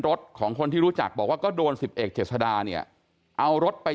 รถของคนที่รู้จักบอกว่าก็โดนสิบเอกเจษดาเนี่ยเอารถไป